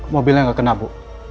mobilnya gak kena bu